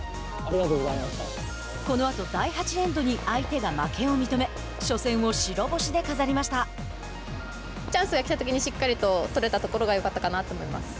このあと、第８エンドに相手が負けを認め初戦を白星で飾りました。